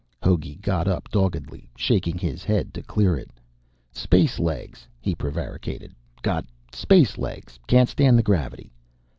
Hogey got up doggedly, shaking his head to clear it. "Space legs," he prevaricated. "Got space legs. Can't stand the gravity."